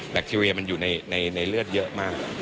แคคทีเรียมันอยู่ในเลือดเยอะมาก